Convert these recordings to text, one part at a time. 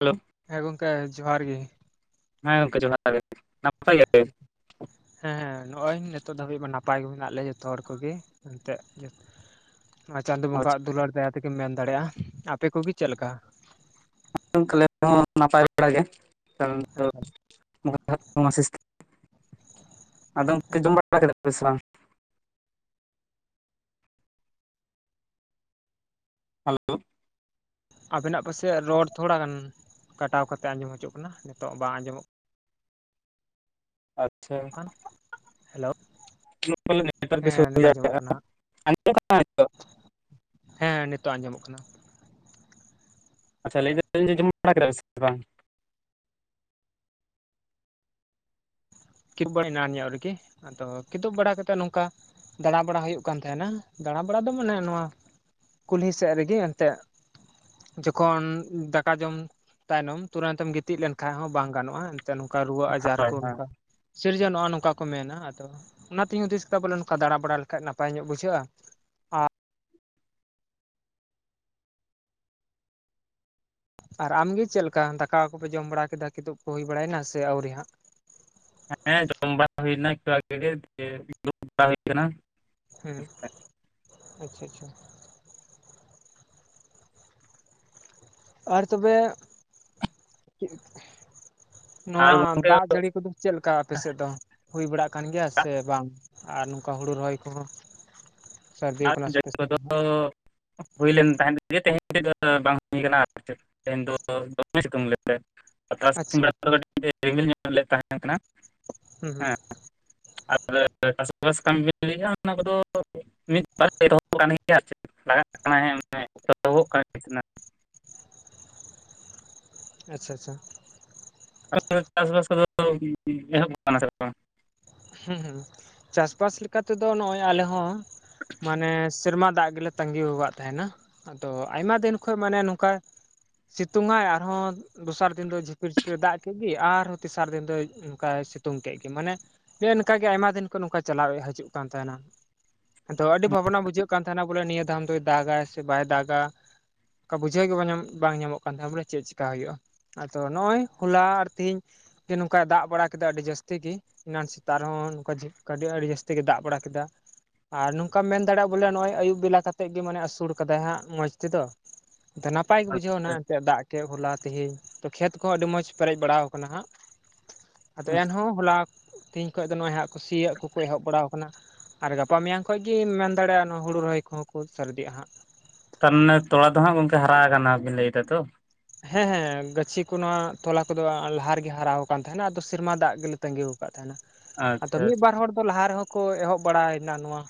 Hello. ᱦᱮᱸ ᱜᱚᱝᱠᱮ ᱡᱚᱦᱟᱨ ᱜᱮ᱾ ᱦᱮᱸ ᱜᱚᱝᱠᱮ ᱡᱚᱦᱟᱨ ᱜᱮ, ᱱᱟᱯᱟᱭ ᱜᱮᱭᱟ ᱯᱮ? [inaudible] ᱦᱮᱸ ᱦᱮᱸ ᱱᱚᱜ-ᱚᱭ ᱱᱤᱛᱚᱜ ᱫᱷᱟᱹᱵᱤᱡ ᱢᱟ ᱱᱟᱯᱟᱭ ᱜᱮ ᱢᱮᱱᱟᱜ ᱞᱮᱭᱟ ᱡᱷᱚᱛᱚ ᱦᱚᱲ ᱠᱚᱜᱮ ᱮᱱᱛᱮᱜ᱾ [inaudible] ᱪᱟᱸᱫᱚ ᱟᱪᱪᱷᱟ ᱵᱚᱸᱜᱟᱣᱟᱜ ᱫᱩᱞᱟᱹᱲ ᱫᱟᱭᱟ ᱛᱮᱜᱮᱢ ᱢᱮᱱ ᱫᱟᱲᱮᱜ-ᱟ ᱾ ᱟᱯᱮ ᱠᱚᱜᱮ ᱪᱮᱫ ᱞᱮᱠᱟ? [unintelligible] ᱱᱟᱯᱟᱭ ᱵᱟᱲᱟ ᱜᱮ [unintelligible] [inaudible] ᱟᱫᱚ ᱜᱚᱝᱠᱮ ᱡᱚᱢ ᱵᱟᱲᱟ ᱠᱮᱫᱟ ᱯᱮ ᱥᱮ ᱵᱟᱝ? ᱦᱮᱞᱳ ᱾ ᱟᱵᱮᱱᱟᱜ ᱯᱟᱥᱮᱡ ᱨᱚᱲ ᱛᱷᱚᱲᱟ ᱜᱟᱱ ᱠᱟᱴᱟᱣ ᱠᱟᱛᱮ ᱟᱸᱡᱚᱢ ᱦᱟᱹᱡᱚᱜ ᱠᱟᱱᱟ, ᱱᱤᱛᱚᱜ ᱵᱟᱝ ᱟᱸᱡᱚᱢᱚᱜ ᱟᱪᱪᱷᱟ᱾ [inaudible] ᱦᱮᱞᱳ ᱾ [unintelligible] ᱦᱮᱸ ᱦᱮᱸ ᱱᱤᱛᱚᱜ ᱟᱸᱡᱚᱢᱚᱜ ᱠᱟᱱᱟ᱾ ᱟᱪᱪᱷᱟ ᱞᱟᱹᱭ ᱮᱫᱟᱞᱧ ᱡᱮ ᱡᱚᱢ ᱵᱟᱲᱟ ᱠᱮᱫᱟ ᱯᱮ ᱥᱮ ᱵᱟᱝ? [unintelligible] ᱮᱱᱟᱱ ᱧᱚᱜ ᱨᱮᱜᱤ ᱾ ᱟᱫᱚ ᱠᱤᱫᱩᱵ ᱵᱟᱲᱟ ᱠᱟᱛᱮᱫ ᱱᱚᱝᱠᱟ ᱫᱟᱬᱟ ᱵᱟᱲᱟ ᱦᱩᱭᱩᱜ ᱠᱟᱱ ᱛᱟᱦᱮᱱᱟ ᱾ ᱫᱟᱬᱟ ᱵᱟᱲᱟ ᱫᱚ ᱢᱟᱱᱮ ᱱᱚᱣᱟ ᱠᱩᱞᱦᱤ ᱥᱮᱜ ᱨᱮᱜᱮ ᱮᱱᱛᱮᱜ ᱾ ᱡᱚᱠᱷᱚᱱ ᱫᱟᱠᱟ ᱡᱚᱢ ᱛᱟᱭᱱᱚᱢ ᱛᱩᱨᱟᱺᱛᱮᱢ ᱜᱤᱛᱤᱡ ᱞᱮᱱᱠᱷᱟᱡ ᱦᱚᱸ ᱵᱟᱝ ᱜᱟᱱᱚᱜ-ᱟ᱾ [unintelligible] ᱱᱚᱝᱠᱟ ᱨᱩᱣᱟᱹ ᱟᱡᱟᱨ ᱦᱳᱭ ᱠᱚ ᱦᱳᱭ ᱱᱚᱝᱠᱟ ᱥᱤᱨᱡᱚᱱᱚᱜ-ᱟ ᱱᱚᱝᱠᱟ ᱠᱚ ᱢᱮᱱᱟ ᱾ ᱟᱫᱚ ᱚᱱᱟᱛᱤᱧ ᱦᱩᱫᱤᱥ ᱠᱮᱫᱟ ᱵᱚᱞᱮ ᱱᱚᱝᱠᱟ ᱫᱟᱬᱟ ᱵᱟᱲᱟ ᱞᱮᱠᱷᱟᱡ ᱱᱟᱯᱟᱭ ᱧᱚᱜ ᱵᱩᱡᱷᱟᱹᱜ-ᱟ᱾ ᱟᱨ ᱟᱢᱜᱮ ᱪᱮᱫ ᱞᱮᱠᱟ ᱫᱟᱠᱟ ᱠᱚᱯᱮ ᱡᱚᱢ ᱵᱟᱲᱟ ᱠᱮᱫᱟ ᱠᱤᱫᱩᱵ ᱠᱚ ᱦᱩᱭ ᱵᱟᱲᱟᱭᱮᱱᱟ ᱥᱮ ᱟᱹᱣᱨᱤ ᱦᱟᱸᱜ? ᱦᱮᱸ ᱡᱚᱢ ᱵᱟᱲᱟ ᱦᱩᱭ ᱮᱱᱟ ᱮᱠᱴᱩ ᱟᱜᱮ ᱜᱮ, ᱫᱩᱲᱩᱵ ᱵᱟᱲᱟ ᱦᱩᱭ ᱟᱠᱟᱱᱟ ᱾ [inaudible] ᱦᱮᱸ ᱟᱪᱪᱷᱟ ᱟᱪᱪᱷᱟ ᱾ ᱟᱨ ᱛᱚᱵᱮ [inaudible] ᱟᱨ ᱱᱚᱣᱟ ᱜᱚᱝᱠᱮ ᱫᱟᱜ ᱡᱟᱹᱲᱤ ᱠᱚᱫᱚ ᱪᱮᱫ ᱞᱮᱠᱟ ᱟᱯᱮ ᱥᱮᱫ ᱫᱚ ᱦᱩᱭ ᱵᱟᱲᱟᱜ ᱠᱟᱱ ᱜᱮᱭᱟ ᱥᱮ ᱵᱟᱝ? ᱟᱨ ᱱᱚᱝᱠᱟ ᱦᱩᱲᱩ ᱨᱚᱦᱚᱭ ᱠᱚᱦᱚᱸ ᱥᱟᱹᱨᱫᱤ ᱟᱨ ᱟᱠᱟᱱᱟ ᱥᱮ ᱡᱟᱹᱲᱤ ᱯᱮ ᱥᱮ ᱠᱚᱫᱚ ᱵᱟᱝ ᱦᱟᱸᱜ? ᱦᱩᱭ ᱞᱮᱱ ᱛᱟᱦᱮᱸᱫ ᱜᱮ ᱾ ᱛᱮᱦᱮᱧ ᱛᱮᱫᱚ ᱵᱟᱝ ᱦᱩᱭ ᱟᱠᱟᱱᱟ ᱟᱨ ᱪᱮᱫ ᱛᱮᱦᱮᱧ ᱫᱚ [unintelligible] ᱛᱟᱨᱟᱥᱤᱧ ᱟᱪᱪᱷᱟ ᱵᱮᱲᱟ ᱫᱚ ᱠᱟᱹᱴᱤᱡ ᱮ ᱨᱤᱢᱤᱞ ᱧᱚᱜ ᱞᱮᱫ ᱛᱟᱦᱮᱸᱜ ᱠᱟᱱᱟ ᱾ ᱦᱩᱸ [inaudible] ᱦᱩᱸ ᱦᱮᱸ ᱾ [unintelligible] ᱚᱱᱟ ᱠᱚᱫᱚ ᱢᱤᱫ ᱵᱟᱨ ᱯᱮ ᱰᱷᱚᱞ [unintelligible] ᱞᱟᱜᱟᱜ ᱠᱟᱱᱟᱭ [unintelligible] ᱟᱪᱪᱷᱟ ᱟᱪᱪᱷᱟ᱾ [unintelligible] ᱪᱟᱥᱵᱟᱥ ᱠᱚᱫᱚ ᱮᱦᱚᱵ ᱟᱠᱟᱱᱟ ᱥᱮ ᱵᱟᱝ? ᱦᱩᱸ ᱦᱩᱸ ᱪᱟᱥᱵᱟᱥ ᱞᱮᱠᱟ ᱛᱮᱫᱚ ᱱᱚᱜ-ᱚᱭ ᱟᱞᱮ ᱦᱚᱸ ᱢᱟᱱᱮ ᱥᱮᱨᱢᱟ ᱫᱟᱜ ᱜᱮᱞᱮ ᱛᱟᱺᱜᱤᱣᱟᱠᱟᱫ ᱛᱟᱦᱮᱱᱟ᱾ ᱟᱫᱚ ᱟᱭᱢᱟ ᱫᱤᱱ ᱠᱷᱚᱡ ᱢᱟᱱᱮ ᱱᱚᱝᱠᱟ ᱥᱤᱛᱩᱝᱟᱭ ᱟᱨᱦᱚᱸ ᱫᱚᱥᱟᱨ ᱫᱤᱱ ᱫᱚ ᱡᱷᱤᱯᱤᱨ ᱡᱷᱤᱯᱤᱨ ᱮ ᱫᱟᱜ ᱠᱮᱫ ᱜᱮ ᱟᱨᱦᱚᱸ ᱛᱮᱥᱟᱨ ᱫᱤᱱ ᱫᱚ ᱚᱱᱠᱟᱭ ᱥᱤᱛᱩᱝ ᱠᱮᱫ ᱜᱮ᱾ ᱢᱟᱱᱮ ᱱᱮᱜ-ᱮ ᱱᱮᱝᱠᱟ ᱜᱮ ᱟᱭᱢᱟ ᱫᱤᱱ ᱠᱷᱚᱱ ᱱᱚᱝᱠᱟ ᱪᱟᱞᱟᱣ ᱮ ᱦᱟᱹᱡᱩᱜ ᱠᱟᱱ ᱛᱟᱦᱮᱱᱟ᱾ ᱟᱫᱚ ᱟᱹᱰᱤ ᱵᱷᱟᱵᱽᱱᱟ ᱵᱩᱡᱷᱟᱹᱜ ᱠᱟᱱ ᱛᱟᱦᱮᱱᱟ ᱵᱚᱞᱮ ᱱᱤᱭᱟᱹ ᱫᱷᱟᱢ ᱫᱚᱭ ᱫᱟᱜᱟ ᱥᱮ ᱵᱟᱭ ᱫᱟᱜᱟ᱾ ᱚᱱᱠᱟ ᱵᱩᱡᱷᱟᱹᱣ ᱜᱮ ᱵᱟᱝ ᱧᱟᱢ ᱵᱟᱝ ᱧᱟᱢᱚᱜ ᱠᱟᱱ ᱛᱟᱦᱮᱸᱜ ᱵᱚᱞᱮ ᱪᱮᱫ ᱪᱮᱠᱟ ᱦᱩᱭᱩᱜ-ᱟ᱾ ᱟᱫᱚ ᱱᱚᱜ-ᱚᱭ ᱦᱚᱞᱟ ᱟᱨ ᱛᱤᱦᱤᱧ ᱜᱮ ᱱᱚᱝᱠᱟᱭ ᱫᱟᱜ ᱵᱟᱲᱟ ᱠᱮᱫᱟ ᱟᱹᱰᱤ ᱡᱟᱹᱥᱛᱤ ᱜᱤ᱾ ᱮᱱᱟᱝ ᱥᱮᱛᱟᱜ ᱨᱮᱦᱚᱸ ᱱᱚᱝᱠᱟ ᱡᱷᱤ ᱟᱹᱰᱤ ᱜᱷᱟᱹᱲᱤ ᱡᱟᱹᱥᱛᱤ ᱜᱮ ᱫᱟᱜ ᱵᱟᱲᱟ ᱠᱮᱫᱟ᱾ ᱟᱨ ᱱᱚᱝᱠᱟᱢ ᱢᱮᱱ ᱫᱟᱲᱮᱜ-ᱟ ᱵᱚᱞᱮ ᱱᱚᱜ-ᱚᱭ ᱟᱹᱭᱩᱵ ᱵᱮᱞᱟ ᱠᱟᱛᱮᱜ ᱜᱮ ᱢᱟᱱᱮ ᱟᱹᱥᱩᱲ ᱠᱟᱫᱟᱭ ᱦᱟᱸᱜ ᱢᱚᱡᱽ ᱛᱮᱫᱚ᱾ ᱛᱚ ᱱᱟᱯᱟᱭ ᱜᱮ ᱵᱩᱡᱷᱟᱹᱣ ᱱᱟᱦᱟᱜ ᱮᱱᱛᱮᱫ ᱫᱟᱜ ᱠᱮᱫ ᱦᱚᱞᱟ ᱛᱮᱦᱤᱧ᱾ ᱛᱚ ᱠᱷᱮᱛ ᱠᱚᱦᱚᱸ ᱟᱹᱰᱤ ᱢᱚᱸᱡᱽ ᱯᱮᱨᱮᱡ ᱵᱟᱲᱟᱣ ᱟᱠᱟᱱᱟ ᱦᱟᱸᱜ᱾ [inaudible] ᱟᱫᱚ ᱮᱱᱦᱚᱸ ᱦᱚᱞᱟ ᱛᱮᱦᱮᱧ ᱠᱷᱚᱡ ᱫᱚ ᱱᱚᱜ-ᱚᱭ ᱦᱟᱸᱜ ᱥᱤᱭᱟᱹᱜ ᱠᱚᱠᱚ ᱮᱦᱚᱵ ᱵᱟᱲᱟᱣ ᱟᱠᱟᱱᱟ᱾ ᱟᱨ ᱜᱟᱯᱟ ᱢᱮᱭᱟᱝ ᱠᱷᱚᱡ ᱜᱮᱢ ᱢᱮᱱ ᱫᱟᱲᱮᱜ-ᱟ ᱦᱩᱲᱩ ᱨᱚᱦᱚᱭ ᱠᱚᱦᱚᱸ ᱠᱚ ᱥᱟᱨᱫᱤᱜ-ᱟ ᱦᱟᱸᱜ᱾ ᱛᱟᱨᱢᱟᱱᱮ ᱛᱚᱲᱟ ᱫᱚ ᱦᱟᱸᱜ ᱜᱚᱝᱠᱮ ᱦᱟᱨᱟ ᱟᱠᱟᱱᱟ ᱵᱤᱱ ᱞᱟᱹᱭ ᱮᱫᱟ ᱛᱚ? ᱦᱮᱸ ᱦᱮᱸ ᱜᱟᱹᱪᱷᱤ ᱠᱚ ᱱᱚᱣᱟ ᱛᱚᱞᱟ ᱠᱚᱫᱚ ᱞᱟᱦᱟ ᱨᱮᱜᱮ ᱦᱟᱨᱟᱣ ᱟᱠᱟᱱ ᱛᱟᱦᱮᱱᱟ ᱾ ᱟᱫᱚ ᱥᱮᱨᱢᱟ ᱫᱟᱜ ᱜᱮᱞᱮ ᱛᱟᱺᱜᱤ ᱟᱠᱟᱫ ᱛᱟᱦᱮᱱᱟ ᱟᱫᱚ ᱟᱪᱪᱷᱟ ᱢᱤᱫ ᱟᱪᱪᱷᱟ ᱵᱟᱨ ᱦᱚᱲ ᱫᱚ ᱞᱟᱦᱟ ᱨᱮᱦᱚᱸ ᱠᱚ ᱮᱦᱚᱵ ᱵᱟᱲᱟᱭᱮᱱᱟ ᱱᱚᱣᱟ,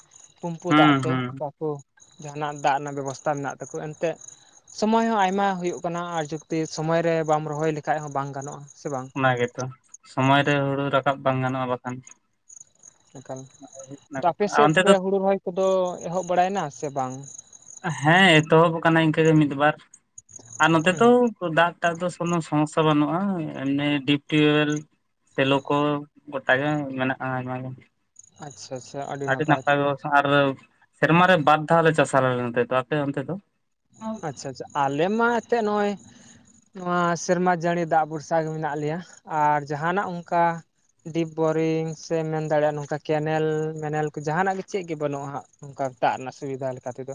ᱯᱩᱸᱢᱯᱷᱩ ᱫᱟᱜ ᱦᱩᱸ ᱛᱮ ᱦᱩᱸ ᱵᱟᱠᱚ ᱡᱟᱦᱟᱱᱟᱜ ᱫᱟᱜ ᱨᱮᱱᱟᱜ ᱵᱮᱵᱚᱥᱛᱟ ᱢᱮᱱᱟᱜ ᱛᱟᱠᱚ ᱮᱱᱛᱮ ᱥᱚᱢᱚᱭ ᱦᱚᱸ ᱟᱭᱢᱟ ᱦᱩᱭᱩᱜ, ᱠᱟᱱᱟ ᱡᱩᱠᱛᱤ ᱥᱚᱢᱚᱭ ᱨᱮ ᱵᱟᱢ ᱨᱚᱦᱚᱭ ᱞᱮᱠᱷᱟᱡ ᱦᱚᱸ ᱵᱟᱝ ᱜᱟᱱᱚᱜ-ᱟ ᱥᱮ ᱵᱟᱝ᱾ ᱚᱱᱟ ᱜᱮᱛᱚ ᱥᱚᱢᱚᱭ ᱨᱮ ᱦᱩᱲᱩ ᱨᱟᱠᱟᱵ ᱵᱟᱝ ᱜᱟᱱᱚᱜ-ᱟ ᱵᱟᱠᱷᱟᱱ, ᱮᱠᱟᱞ ᱛᱚ ᱟᱨ ᱟᱯᱮᱥᱮᱫ ᱚᱱᱛᱮ ᱛᱚᱵᱮ ᱫᱚ ᱦᱩᱲᱩ ᱨᱚᱦᱚᱭ ᱠᱚᱫᱚ ᱮᱦᱚᱵ ᱵᱟᱲᱟᱭᱱᱟ ᱥᱮ ᱵᱟᱝ? ᱦᱮᱸ ᱮᱛᱚᱦᱚᱵ ᱟᱠᱟᱱᱟ ᱤᱱᱠᱟᱹ ᱜᱮ ᱢᱤᱫᱵᱟᱨ [inaudible] ᱟᱨ ᱱᱚᱛᱮ ᱦᱩᱸ ᱫᱚ ᱫᱟᱜ ᱴᱟᱜ ᱫᱚ ᱠᱚᱱᱳ ᱥᱚᱢᱚᱥᱟ ᱵᱟᱹᱱᱩᱜ-ᱟ ᱚᱱᱮ ᱰᱤᱯ ᱴᱤᱭᱩᱵᱮᱞ ᱥᱮᱞᱳ ᱠᱚ ᱜᱚᱴᱟ ᱜᱮ ᱢᱮᱱᱟᱜ-ᱟ ᱟᱭᱢᱟ ᱜᱮ, ᱟᱪᱪᱷᱟ ᱟᱪᱪᱷᱟ ᱟᱹᱰᱤ ᱱᱟᱯᱟᱭ ᱛᱚᱵᱮ᱾ ᱟᱨ ᱥᱮᱨᱢᱟᱨᱮ ᱵᱟᱨ ᱫᱷᱟᱣ ᱞᱮ ᱪᱟᱥᱟ ᱟᱞᱮ ᱱᱚᱛᱮᱫᱚ ᱟᱯᱮ ᱚᱱᱛᱮ ᱫᱚ? ᱟᱪᱪᱷᱟ ᱟᱪᱪᱷᱟ ᱟᱞᱮ ᱢᱟ ᱮᱱᱛᱮᱫ ᱱᱚᱜ-ᱚᱭ ᱱᱚᱣᱟ ᱥᱮᱨᱢᱟ ᱡᱟᱹᱲᱤ ᱫᱟᱜ ᱵᱷᱚᱨᱥᱟ ᱜᱮ ᱢᱮᱱᱟᱜ ᱞᱮᱭᱟ ᱟᱨ ᱡᱟᱦᱟᱱᱟᱜ ᱚᱱᱠᱟ ᱰᱤᱯ ᱵᱳᱨᱤᱝ ᱥᱮᱢ ᱢᱮᱱ ᱫᱟᱲᱮᱭᱟᱜ-ᱟ ᱱᱚᱝᱠᱟ ᱠᱮᱱᱮᱞ ᱢᱮᱱᱮᱞ ᱠᱚ ᱡᱟᱦᱟᱱᱟᱜ ᱜᱮ ᱪᱮᱫ ᱜᱮ ᱵᱟᱹᱱᱩᱜ-ᱟ ᱦᱟᱸᱜ᱾ ᱱᱚᱝᱠᱟ ᱫᱟᱜ ᱨᱮᱱᱟᱜ ᱥᱩᱵᱤᱫᱷᱟ ᱞᱮᱠᱟ ᱛᱮᱫᱚ,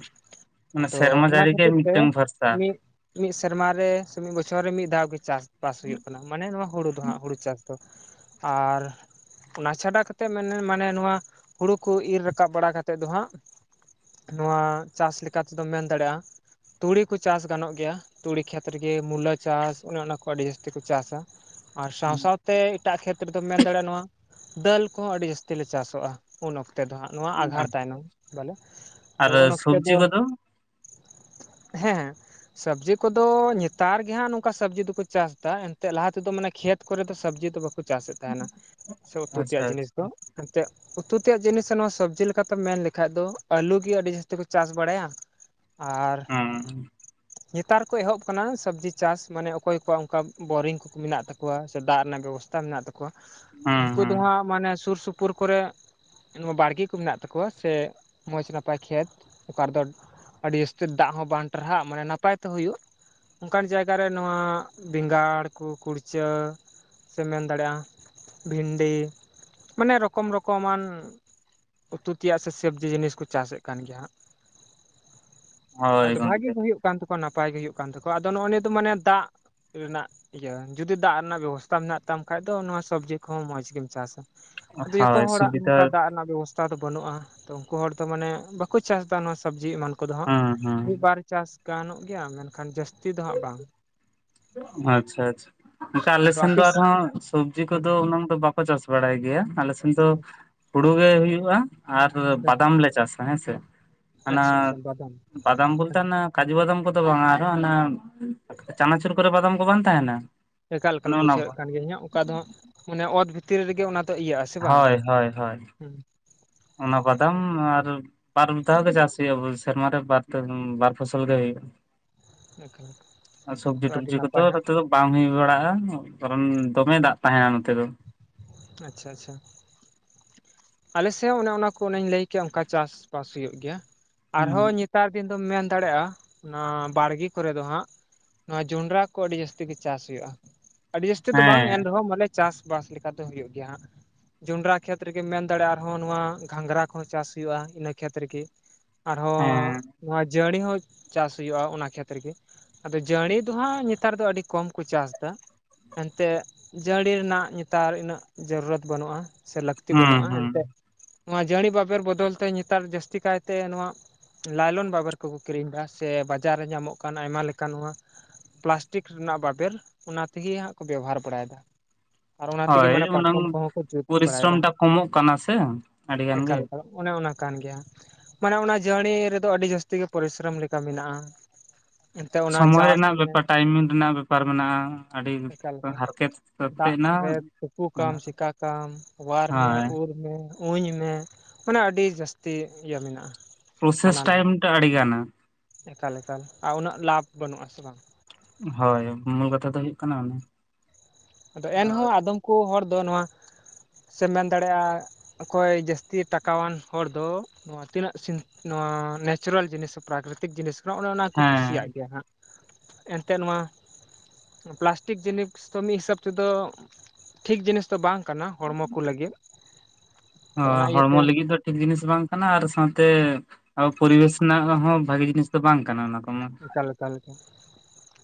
ᱢᱟᱱᱮ ᱟᱫᱚ ᱥᱮᱨᱢᱟ ᱚᱱᱟ ᱡᱟᱹᱲᱤ ᱜᱮ ᱠᱷᱟᱹᱛᱤᱨ ᱛᱮ ᱢᱤᱫᱴᱮᱱ ᱵᱷᱚᱨᱥᱟ, ᱢᱤᱫ ᱢᱤᱫ ᱥᱮᱨᱢᱟᱨᱮ ᱥᱮ ᱢᱤᱫ ᱵᱚᱪᱷᱚᱨ ᱨᱮ ᱢᱤᱫ ᱫᱷᱟᱣ ᱜᱮ ᱪᱟᱥᱵᱟᱥ ᱦᱩᱭᱩᱜ ᱠᱟᱱᱟ, ᱢᱟᱱᱮ ᱱᱚᱣᱟ ᱦᱩᱲᱩ ᱫᱚ ᱦᱟᱸᱜ ᱦᱩᱲᱩ ᱪᱟᱥ, ᱛᱚ [inaudible] ᱟᱨᱻ ᱚᱱᱟ ᱪᱷᱟᱰᱟ ᱠᱟᱛᱮᱜ ᱢᱮᱱᱮ ᱢᱟᱱᱮ ᱱᱚᱣᱟ ᱦᱩᱲᱩ ᱠᱚ ᱤᱨ ᱨᱟᱠᱟᱵ ᱵᱟᱲᱟ ᱠᱟᱛᱮᱫ ᱫᱚ ᱦᱟᱸᱜ, ᱱᱚᱣᱟ ᱪᱟᱥ ᱞᱮᱠᱟᱛᱮᱫᱚᱢ ᱢᱮᱱ ᱫᱟᱲᱮᱭᱟᱜ-ᱟ, ᱛᱩᱲᱤ ᱠᱚ ᱪᱟᱥ ᱜᱟᱱᱚᱜ ᱜᱮᱭᱟ ᱛᱩᱲᱤ ᱠᱷᱮᱛ ᱨᱮᱜᱮ ᱢᱩᱞᱟᱹ ᱪᱟᱥ ᱚᱱᱮ ᱚᱱᱟ ᱠᱚ ᱟᱹᱰᱤ ᱡᱟᱹᱥᱛᱤ ᱠᱚ ᱪᱟᱥᱟ᱾ [inaudible] ᱟᱨ ᱥᱟᱶ ᱥᱟᱶᱛᱮ ᱛᱮ ᱮᱴᱟᱜ ᱠᱷᱮᱛ ᱨᱮᱫᱚᱢ ᱢᱮᱱ ᱫᱟᱲᱮᱭᱟᱜ-ᱟ, ᱱᱚᱣᱟ ᱰᱟᱹᱞ ᱠᱚᱦᱚᱸ ᱟᱹᱰᱤ ᱡᱟᱹᱥᱛᱤ ᱞᱮ ᱪᱟᱥᱚᱜ-ᱟ ᱩᱱ ᱚᱠᱛᱮ ᱫᱚ ᱦᱟᱸᱜ᱾ ᱱᱚᱣᱟ ᱟᱸᱜᱷᱟᱬ ᱛᱟᱭᱱᱚᱢ ᱵᱚᱞᱮ [inaudible] ᱛᱚ ᱟᱨ ᱩᱱ ᱚᱠᱛᱮ ᱥᱚᱵᱽᱡᱤ ᱫᱚ ᱠᱚᱫᱚ ᱦᱮᱸᱻ ᱥᱚᱵᱽᱡᱤ ᱠᱚᱫᱚ ᱱᱮᱛᱟᱨ ᱜᱮᱦᱟᱸᱜ ᱱᱚᱝᱠᱟ ᱥᱚᱵᱽᱡᱤ ᱫᱚᱠᱚ ᱪᱟᱥ ᱫᱟ ᱮᱱᱛᱮᱫ ᱞᱟᱦᱟ ᱛᱮᱫᱚ ᱢᱟᱱᱮ ᱠᱷᱮᱛ ᱠᱚᱨᱮ ᱫᱚ ᱥᱚᱵᱽᱡᱤ ᱫᱚ ᱵᱟᱠᱚ ᱠᱚ ᱪᱟᱥᱮᱫ ᱛᱟᱦᱮᱱᱟ ᱥᱮ ᱩᱛᱩ ᱟᱪᱪᱷᱟ ᱛᱮᱭᱟᱜ ᱡᱤᱱᱤᱥ ᱟᱪᱪᱷᱟ ᱫᱚ ᱮᱱᱛᱮᱫ ᱩᱛᱩ ᱛᱮᱭᱟᱜ ᱡᱤᱱᱤᱥ ᱱᱚᱣᱟ ᱥᱚᱵᱽᱡᱤ ᱞᱮᱠᱟᱛᱮᱢ ᱢᱮᱱ ᱞᱮᱠᱷᱟᱡ ᱫᱚ ᱟᱹᱞᱩ ᱜᱮ ᱟᱹᱰᱤ ᱡᱟᱹᱥᱛᱤ ᱠᱚ ᱪᱟᱥ ᱵᱟᱲᱟᱭᱟ, ᱟᱨᱻ ᱦᱩᱸ ᱱᱮᱛᱟᱨ ᱠᱚ ᱮᱦᱚᱵ ᱟᱠᱟᱱᱟ ᱥᱚᱵᱽᱡᱤ ᱪᱟᱥ ᱢᱟᱱᱮ ᱚᱠᱚᱭ ᱠᱚᱣᱟᱜ ᱚᱱᱠᱟ ᱵᱳᱨᱤᱝ ᱠᱚ ᱢᱮᱱᱟᱜ ᱛᱟᱠᱚ ᱠᱚᱣᱟ ᱥᱮ ᱫᱟᱜ ᱨᱮᱱᱟᱜ ᱵᱮᱵᱚᱥᱛᱷᱟ ᱢᱮᱱᱟᱜ ᱛᱟᱠᱚᱣᱟ ᱦᱩᱸ ᱩᱱᱠᱩ ᱫᱚ ᱦᱩᱸ ᱦᱟᱸᱜ ᱢᱟᱱᱮ ᱥᱩᱨ ᱥᱩᱯᱩᱨ ᱠᱚᱨᱮ ᱱᱚᱣᱟ ᱵᱟᱲᱜᱮ ᱠᱚ ᱢᱮᱱᱟᱜ ᱛᱟᱠᱚᱣᱟ ᱥᱮ ᱢᱚᱡᱽ ᱱᱟᱯᱟᱭ ᱠᱷᱮᱛ ᱚᱠᱟ ᱨᱮᱫᱚ, ᱟᱹᱰᱤ ᱡᱟᱹᱥᱛᱤ ᱫᱟᱜ ᱦᱚᱸ ᱵᱟᱝ ᱴᱟᱨᱦᱟᱜ ᱢᱟᱱᱮ ᱱᱟᱯᱟᱭ ᱛᱮ ᱦᱩᱭᱩᱜ, ᱚᱱᱠᱟᱱ ᱡᱟᱭᱜᱟᱨᱮ ᱱᱚᱣᱟ ᱵᱮᱸᱜᱟᱲ ᱠᱚ ᱠᱩᱲᱪᱟᱹ, ᱥᱮᱢ ᱢᱮᱱ ᱫᱟᱲᱮᱭᱟᱜ-ᱟ ᱵᱷᱤᱱᱰᱤ ᱢᱟᱱᱮ ᱨᱚᱠᱚᱢ ᱨᱚᱠᱚᱢᱟᱱ ᱩᱛᱩ ᱛᱮᱭᱟᱜ ᱥᱮ ᱥᱚᱵᱽᱡᱤ ᱡᱤᱱᱤᱥ ᱠᱚ ᱪᱟᱥᱮᱫ ᱠᱟᱱ ᱜᱮᱭᱟ ᱦᱟᱸᱜ᱾ ᱦᱳᱭ ᱟᱫᱚ ᱜᱚᱝᱠᱮ ᱵᱷᱟᱜᱤ ᱜᱮ ᱦᱩᱭᱩᱜ ᱠᱟᱱ ᱛᱟᱠᱚᱣᱟ ᱱᱟᱯᱟᱭ ᱜᱮ ᱦᱩᱭᱩᱜ ᱠᱟᱱ ᱛᱟᱠᱚᱣᱟ ᱟᱫᱚ ᱱᱚᱜ-ᱚᱭ ᱱᱤᱭᱟᱹ ᱫᱚ ᱢᱟᱱᱮ ᱫᱟᱜ ᱨᱮᱱᱟᱜ ᱤᱭᱟᱹ ᱡᱩᱫᱤ ᱫᱟᱜ ᱨᱮᱱᱟᱜ ᱵᱮᱵᱚᱥᱛᱟ ᱢᱮᱱᱟᱜ ᱛᱟᱢ ᱠᱷᱟᱡ ᱫᱚ ᱱᱚᱣᱟ ᱥᱚᱵᱽᱡᱤ ᱠᱚᱦᱚᱸ ᱢᱚᱸᱡᱽ ᱜᱮᱢ ᱪᱟᱥᱟ᱾ ᱟᱫᱚ ᱡᱚᱛᱚ ᱦᱳᱭ ᱦᱚᱲᱟᱜ ᱥᱩᱵᱤᱫᱷᱟ ᱱᱚᱝᱠᱟ ᱫᱟᱜ ᱨᱮᱱᱟᱜ ᱵᱮᱵᱚᱥ ᱛᱷᱟ ᱫᱚ ᱵᱟᱹᱱᱩᱜ-ᱟ ᱛᱚ ᱩᱱᱠᱩ ᱦᱚᱲ ᱫᱚ ᱢᱟᱱᱮ ᱵᱟᱠᱚ ᱪᱟᱥ ᱫᱟ ᱱᱚᱣᱟ ᱥᱚᱵᱽᱡᱤ ᱮᱢᱟᱱ ᱠᱚᱫᱚ ᱦᱟᱸᱜ ᱦᱩᱸ ᱦᱩᱸ ᱢᱤᱫ ᱵᱟᱨ ᱪᱟᱥ ᱜᱟᱱᱚᱜ ᱜᱮᱭᱟ ᱢᱮᱱᱠᱷᱟᱱ ᱡᱟᱹᱥᱛᱤ ᱫᱚ ᱦᱟᱸᱜ ᱵᱟᱝ᱾ ᱟᱪᱪᱷᱟ ᱟᱪᱪᱷᱟ ᱚᱱᱠᱟ ᱟᱫᱚ ᱟᱞᱮᱥᱮᱱ ᱟᱯᱮ ᱫᱚ ᱟᱨᱦᱚᱸ ᱥᱚᱵᱽᱡᱤ ᱦᱩᱸ ᱠᱚᱫᱚ ᱩᱱᱟᱹᱝ ᱫᱚ ᱵᱟᱠᱚ ᱠᱚ ᱪᱟᱥ ᱵᱟᱲᱟᱭ ᱜᱮᱭᱟ ᱟᱞᱮ ᱥᱮᱫ ᱟᱫᱚ ᱦᱩᱲᱩ ᱜᱮ ᱦᱩᱭᱩᱜ-ᱟ ᱟᱨ ᱵᱟᱫᱟᱢ ᱞᱮ ᱪᱟᱥᱟ ᱦᱮᱸᱥᱮ᱾ ᱦᱟᱱᱟ ᱟᱪᱪᱷᱟ ᱟᱪᱪᱷᱟ ᱵᱟᱫᱟᱢ ᱵᱟᱫᱟᱢ ᱵᱚᱞᱛᱮ ᱚᱱᱟ ᱠᱟᱡᱩ ᱵᱟᱫᱟᱢ ᱠᱚᱫᱚ ᱵᱟᱝ-ᱟ ᱟᱨ ᱦᱚᱸ ᱦᱟᱱᱟ ᱪᱟᱱᱟᱪᱩᱨ ᱠᱚᱨᱮ ᱵᱟᱫᱟᱢ ᱠᱚ ᱵᱟᱝ ᱛᱟᱦᱮᱱᱟ? ᱮᱠᱟᱞ ᱮᱠᱟᱞᱮ ᱚᱱᱮ ᱚᱱᱟ ᱵᱩᱡᱷᱟᱹᱣᱮᱫ ᱠᱚ, ᱠᱟᱱ ᱜᱤᱭᱟᱹᱧ ᱦᱟᱸᱜ ᱚᱱᱠᱟ ᱫᱚ ᱦᱟᱸᱜ ᱢᱟᱱᱮ ᱚᱛ ᱵᱷᱤᱛᱤᱨ ᱨᱮᱜᱮ ᱚᱱᱟ ᱛᱚ ᱤᱭᱟᱹᱜ-ᱟ ᱥᱮ ᱵᱟᱝ? ᱦᱳᱭ ᱦᱳᱭ ᱦᱳᱭ ᱚᱱᱟ ᱵᱟᱫᱟᱢ ᱟᱨ, ᱵᱟᱨ ᱪᱟᱥ ᱦᱩᱭᱩᱜᱼᱟ ᱥᱮᱨᱢᱟᱨ ᱵᱟᱨ ᱵᱟᱨ ᱯᱷᱚᱥᱚᱞ ᱜᱮ ᱦᱩᱭᱼᱟ᱾ ᱮᱠᱟᱞ ᱟᱨ ᱥᱚᱵᱡᱤ ᱛᱚ ᱟᱹᱰᱤ ᱴᱚᱵᱡᱤ ᱠᱚᱫᱚ ᱱᱟᱯᱟᱭ ᱦᱟᱸᱜ ᱱᱚᱛᱮ ᱫᱚ᱾ ᱵᱟᱝ ᱦᱩᱭ ᱵᱟᱲᱟᱜᱼᱟ ᱠᱟᱨᱚᱱ ᱫᱚᱢᱮ ᱫᱟᱜ ᱛᱟᱦᱮᱱᱟ ᱱᱚᱛᱮ ᱫᱚ᱾ ᱟᱪᱪᱷᱟ ᱟᱪᱪᱷᱟ᱾ ᱟᱞᱮ ᱥᱮᱫ ᱦᱚᱸ ᱚᱱᱮ ᱚᱱᱟ ᱠᱚ ᱚᱱᱮᱧ ᱞᱟᱹᱭ ᱠᱮ ᱚᱱᱠᱟ ᱪᱟᱥᱵᱟᱥ ᱦᱩᱭᱩᱜ ᱜᱮᱭᱟ ᱦᱮᱸ ᱟᱨᱦᱚᱸ ᱧᱤ ᱱᱮᱛᱟᱨ ᱫᱤᱱ ᱫᱚᱢ ᱢᱮᱱ ᱫᱟᱲᱮᱭᱟᱜᱼᱟ ᱚᱱᱟ ᱵᱟᱲᱜᱮ ᱠᱚᱨᱮ ᱫᱚ ᱦᱟᱸᱜ ᱱᱚᱣᱟ ᱡᱚᱱᱰᱨᱟ ᱠᱚ ᱟᱹᱰᱤ ᱡᱟᱹᱥᱛᱤ ᱜᱮ ᱪᱟᱥ ᱦᱩᱭᱩᱜᱼᱟ ᱟᱹᱰᱤ ᱡᱟᱹᱥᱛᱤ ᱫᱚ ᱵᱟᱝ ᱮᱱᱨᱮᱦᱚᱸ ᱢᱟᱱᱮ᱾ ᱪᱟᱥᱵᱟᱥ ᱞᱮᱠᱟ ᱫᱚ ᱦᱩᱭᱩᱜ ᱜᱮᱭᱟ ᱦᱟᱸᱜ᱾ ᱡᱚᱸᱰᱨᱟ ᱠᱷᱮᱛ ᱨᱮᱜᱮᱢ ᱢᱮᱱ ᱫᱟᱲᱮᱭᱟᱜᱼᱟ ᱟᱨᱦᱚᱸ ᱱᱚᱣᱟ ᱜᱷᱟᱸᱜᱽᱨᱟ ᱠᱚᱦᱚᱸ ᱪᱟᱥ ᱦᱩᱭᱩᱜᱼᱟ ᱤᱱᱟᱹ ᱠᱷᱮᱛ ᱨᱮᱜᱮ᱾ ᱟᱨᱦᱚᱸ ᱦᱮᱸ ᱱᱚᱣᱟ ᱡᱟᱹᱲᱤ ᱦᱚᱸ ᱪᱟᱥ ᱦᱩᱭᱩᱜᱼᱟ ᱚᱱᱟ ᱠᱷᱮᱛ ᱨᱮ ᱜᱮ᱾ ᱟᱫᱚ ᱡᱟᱹᱲᱤ ᱫᱚᱦᱟᱸᱜ ᱱᱮᱛᱟᱨ ᱫᱚ ᱟᱹᱰᱤ ᱠᱚᱢ ᱠᱚ ᱪᱟᱥ ᱮᱫᱟ ᱮᱱᱛᱮᱫ ᱡᱟᱹ ᱠᱩᱟᱹᱰᱤ ᱨᱮᱱᱟᱜ ᱱᱮᱛᱟᱨ ᱩᱱᱟᱹᱜ ᱡᱚᱨᱩᱨᱛ ᱵᱟᱹᱱᱩᱜᱼᱟ ᱥᱮ ᱞᱟᱹᱠᱛᱤ ᱦᱩᱸ ᱵᱟᱹᱱᱩᱜᱼᱟ ᱦᱩᱸ ᱮᱱᱛᱮᱫ᱾ ᱱᱚᱣᱟ ᱡᱟᱹᱱᱤ ᱵᱟᱵᱮᱨ ᱵᱚᱫᱚᱞ ᱛᱮ ᱱᱮᱛᱟᱨ ᱡᱟᱹᱥᱛᱤ ᱠᱟᱭᱛᱮ ᱱᱚᱣᱟ ᱞᱟᱭᱞᱚᱱ ᱵᱟᱵᱮᱨ ᱠᱚᱠᱚ ᱠᱤᱨᱤᱧ ᱮᱟ ᱥᱮ ᱵᱟᱡᱟᱨ ᱨᱮ ᱧᱟᱢᱚᱜ ᱠᱟᱱ ᱟᱭᱢᱟ ᱞᱮᱠᱟᱱ ᱱᱚᱣᱟ ᱯᱞᱟᱥᱴᱤᱠ ᱨᱮᱱᱟᱜ ᱵᱟᱵᱮᱨ ᱚᱱᱟ ᱛᱮᱜᱮ ᱦᱟᱸᱜ ᱠᱚ ᱵᱮᱵᱚᱦᱟᱨ ᱵᱟᱲᱟᱭᱮᱫᱟ᱾ ᱟᱨ ᱚᱱᱟ ᱛᱮᱜᱮ ᱦᱳᱭ ᱢᱟᱱᱮ ᱩᱱᱟᱹᱝ ᱯᱟᱨᱠᱚᱢ ᱠᱚᱦᱚᱸ ᱠᱚ ᱡᱩᱛ ᱯᱚᱨᱤᱥᱨᱚᱢ ᱵᱟᱲᱟᱭᱮᱫᱟ ᱴᱟᱜ ᱠᱚᱢᱚᱜ ᱠᱟᱱᱟ ᱥᱮ ᱟᱹᱰᱤ ᱜᱟᱱ ᱜᱮ ᱮᱠᱟᱠᱟ᱾ ᱚᱱᱮ ᱚᱱᱟ ᱠᱟᱱ ᱜᱮᱭᱟ᱾ ᱢᱟᱱᱮ ᱚᱱᱟ ᱡᱟᱨᱱᱤ ᱨᱮᱫᱚ ᱟᱹᱰᱤ ᱡᱟᱹᱟᱥᱛᱤ ᱜᱮ ᱯᱚᱨᱤᱥᱨᱚᱢ ᱞᱮᱠᱟ ᱢᱮᱱᱟᱜᱼᱟ᱾ ᱮᱱᱛᱮ ᱚᱱᱟ ᱥᱚᱢᱚᱭ ᱪᱟᱥ ᱨᱮᱱᱟᱜ ᱢᱮ ᱵᱮᱯᱟᱨ ᱴᱟᱭᱤᱢᱤᱝ ᱨᱮᱱᱟᱜ ᱵᱮᱯᱟᱨ ᱢᱮᱱᱟᱜᱼᱟ ᱟᱹᱰᱤ ᱮᱠᱟᱞ ᱮᱠᱟᱞ ᱦᱟᱨᱠᱮᱛ᱾ ᱠᱟᱛᱮ ᱫᱟᱜ ᱱᱟ ᱨᱮ ᱛᱩᱯᱩ ᱠᱢ ᱢᱮᱱᱟᱜᱼᱟ ᱪᱠᱟ ᱠᱢ ᱚᱣᱟᱨ ᱢᱮ ᱦᱳᱭ ᱩᱨ ᱢᱮ᱾ ᱩᱧ ᱢᱮ ᱢᱟᱱᱮ ᱟᱹᱰᱤ ᱡᱟᱹᱥᱛᱤ ᱤᱭᱟᱹ ᱢᱮᱱᱟᱜᱼᱟ᱾ ᱯᱨᱚᱥᱮᱥ ᱦᱟᱱᱟ [unintelligible] ᱱᱟᱣᱟ ᱴᱟᱭᱤᱢ ᱴᱟ ᱟᱹᱰᱤ ᱜᱟᱱᱟ᱾ ᱮᱠᱟᱞ ᱮᱠᱟᱞ ᱟᱨ ᱩᱱᱟᱹᱜ ᱞᱟᱵᱷ ᱵᱟᱹᱱᱩᱜ ᱟᱥᱮ ᱵᱟᱝ? ᱦᱳᱭ ᱢᱩᱞ ᱠᱟᱛᱷᱟ ᱫᱚ ᱦᱩᱭᱩᱜ ᱠᱟᱱᱟ ᱚᱱᱮ᱾ ᱟᱫᱚ ᱮᱱᱦᱚᱸ ᱟᱫᱚᱢ ᱠᱚ ᱦᱚᱲ ᱫᱚ ᱱᱚᱣᱟ ᱥᱮ ᱢᱮᱱ ᱫᱟᱲᱮᱭᱟᱜᱼᱟ ᱚᱠᱚᱭ ᱡᱟᱹᱥᱛᱤ ᱴᱟᱠᱟᱣᱟᱱ ᱦᱚᱲ ᱫᱚ ᱱᱚᱣᱟ ᱛᱤᱱᱟᱹᱥᱤᱱ ᱱᱚᱣᱟ ᱱᱮᱪᱟᱨᱟᱞ ᱡᱤᱱᱤᱥ ᱯᱨᱟᱠᱨᱤᱛᱤᱠ ᱡᱤᱱᱤᱥ ᱠᱟᱱᱟ ᱚᱱᱮ ᱚᱱᱟᱠᱚ ᱦᱮᱸ ᱠᱩᱥᱤᱭᱟᱜ ᱜᱮᱭᱟ ᱦᱟᱸᱜ᱾ ᱮᱱᱛᱮᱫ ᱱᱚᱣᱟ ᱯᱞᱟᱥᱴᱤᱠ ᱡᱤᱱᱤᱥ ᱫᱚ ᱢᱤᱫ ᱦᱤᱥᱟᱹᱵ ᱫᱚ ᱴᱷᱤᱠ ᱡᱤᱱᱤᱥ ᱫᱚ ᱵᱟᱝ ᱠᱟᱱᱟ ᱦᱚᱲᱢᱚ ᱠᱚ ᱞᱟᱹᱜᱤᱫ᱾ ᱟᱫᱚ ᱦᱚᱸ ᱚᱱᱟ ᱤᱭᱟᱹᱛᱮ ᱦᱚᱲᱢᱚ ᱞᱟᱹᱜᱤᱫ ᱫᱚ ᱴᱷᱤᱠ ᱡᱤᱱᱤᱥ ᱵᱟᱝ ᱠᱟᱱᱟ ᱟᱨ ᱥᱟᱶᱛᱮ ᱟᱵᱚ ᱯᱚᱨᱤᱵᱮᱥ ᱨᱮᱱᱟᱜ ᱦᱚᱸ ᱵᱷᱟᱜᱤ ᱡᱤᱱᱤᱥ ᱫᱚ ᱵᱟᱝ ᱠᱟᱱᱟ ᱚᱱᱟ ᱫᱚ᱾ ᱮᱠᱟᱮᱠᱟᱞ ᱞᱮᱠᱟ